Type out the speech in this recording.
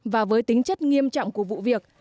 và với tính chất nghiêm trọng của vụ việc